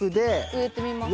植えてみますか？